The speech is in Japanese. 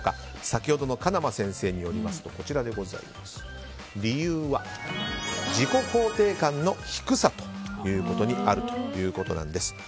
先ほどの金間先生によりますと理由は、自己肯定感の低さにあるということなんです。